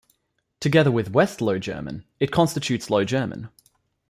Together with West Low German, it constitutes Low German.